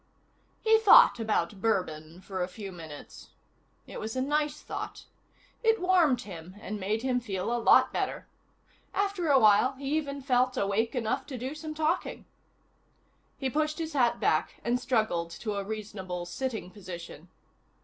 He thought about bourbon for a few minutes. It was a nice thought. It warmed him and made him feel a lot better. After a while, he even felt awake enough to do some talking. He pushed his hat back and struggled to a reasonable sitting position.